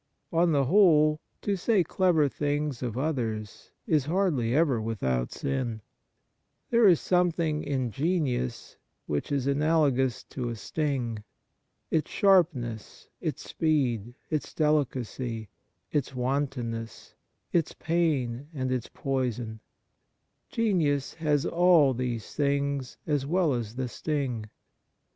On the whole, to say clever things of others is hardly ever without sin. There is some thing in genius which is analogous to a sting. Its sharpness, its speed, its delicacy, its wantonness, its pain and its poison, genius has all these things as well as the sting.